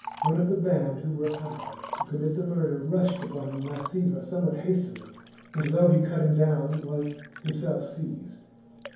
One of the band who were hired to commit the murder rushed upon Mas siva somewhat hastily, and though he cut him down, was himself seized.